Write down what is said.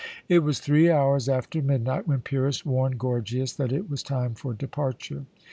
It was three hours after midnight when Pyrrhus warned Gorgias that it was time for departure.